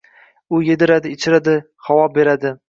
U yediradi, ichiradi, havo beradi.